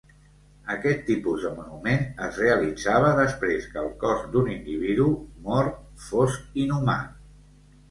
Aquest tipus de monument es realitzava després que el cos d'un individu mort fos inhumat.